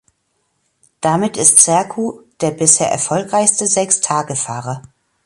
Damit ist Sercu der bisher erfolgreichste Sechstagefahrer.